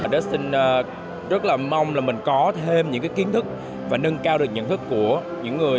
dustin rất mong mình có thêm những kiến thức và nâng cao được nhận thức của những người